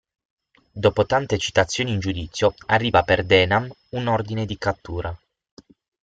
Dopo tante citazioni in giudizio, arriva per Denham un ordine di cattura.